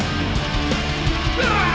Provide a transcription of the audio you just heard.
boleh pasti kalah